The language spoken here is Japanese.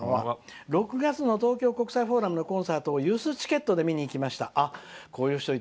６月の東京国際フォーラムのコンサートをユースチケットで見に行きました。